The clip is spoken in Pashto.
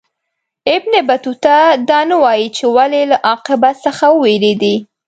ابن بطوطه دا نه وايي چې ولي له عاقبت څخه ووېرېدی.